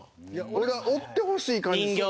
俺はおってほしい感じが。